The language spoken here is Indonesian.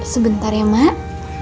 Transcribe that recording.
sebentar ya mak